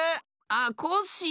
あっコッシー。